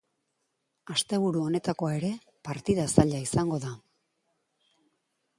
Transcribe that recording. Asteburu honetakoa ere partida zaila izango da.